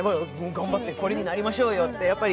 頑張ってこれになりましょうよって。